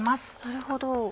なるほど。